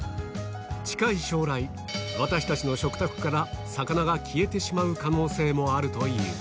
近い将来、私たちの食卓から魚が消えてしまう可能性もあるという。